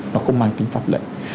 nó không mang tính pháp lệnh